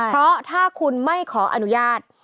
เพราะถ้าคุณไม่ขออนุญาต